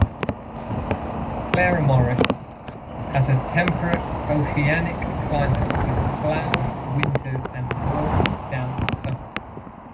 Claremorris has a temperate oceanic climate with cold winters and warm damp summers.